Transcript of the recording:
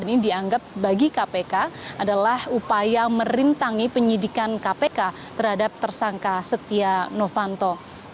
ini dianggap bagi kpk adalah upaya merintangi penyidikan kpk terhadap tersangka setia novanto